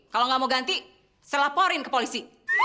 kalau nggak mau ganti saya laporin ke polisi